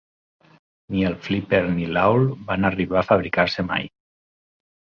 Ni el 'Flipper' ni l''Awl' van arribar a fabricar-se mai.